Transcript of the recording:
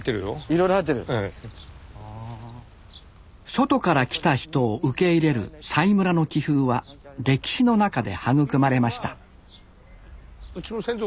外から来た人を受け入れる佐井村の気風は歴史の中で育まれましたうちの先祖